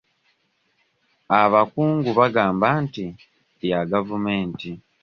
Abakungu bagamba nti ettaka lya gavumenti.